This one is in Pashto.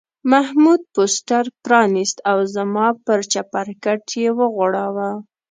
محمود پوسټر پرانیست او زما پر چپرکټ یې وغوړاوه.